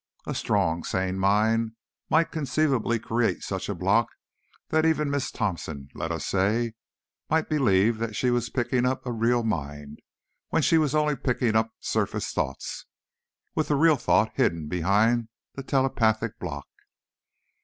A strong, sane mind might conceivably create such a block that even Miss Thompson, let us say, might believe that she was picking up a real mind, when she was only picking up surface thoughts, with the real thought hidden behind the telepathic block."